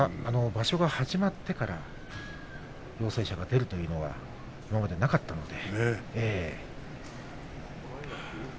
場所が始まってから陽性者が出るというのは今までなかったので。